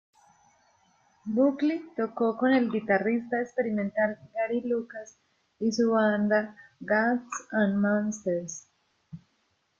Buckley tocó con el guitarrista experimental Gary Lucas y su banda Gods and Monsters.